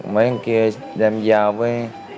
mấy người kia đem dao với